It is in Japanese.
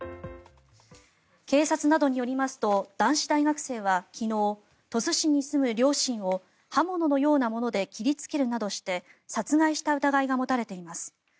警察などによりますと男子大学生は昨日鳥栖市に住む両親を刃物のようなもので切りつけるなどして殺害した疑いが持たれています。